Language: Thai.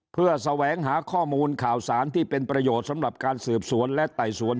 เพื่อแสวงหาข้อมูลข่าวสารที่เป็นประโยชน์สำหรับการสืบสวนและไต่สวน